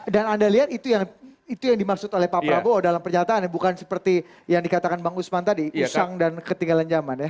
dan anda lihat itu yang dimaksud oleh pak prabowo dalam pernyataan bukan seperti yang dikatakan bang usman tadi usang dan ketinggalan zaman